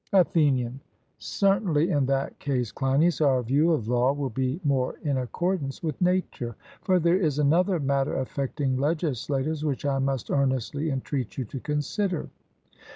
ATHENIAN: Certainly, in that case, Cleinias, our view of law will be more in accordance with nature. For there is another matter affecting legislators, which I must earnestly entreat you to consider.